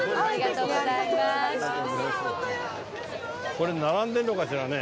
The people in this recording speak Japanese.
これ並んでるのかしらね？